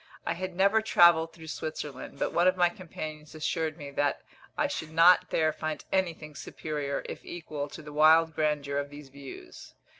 I had never travelled through Switzerland, but one of my companions assured me that I should not there find anything superior, if equal, to the wild grandeur of these views.